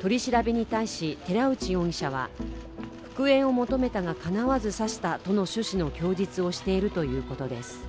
取り調べに対し、寺内容疑者は復縁を求めたがかなわず刺したとの趣旨の供述をしているということです。